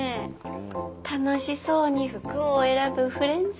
楽しそうに服を選ぶフレンズ。